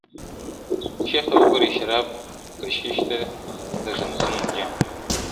شیخ ته ورکوي شراب کشیش ته د زمزمو جام,